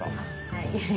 はい。